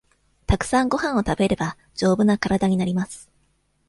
たくさんごはんを食べれば、丈夫な体になります。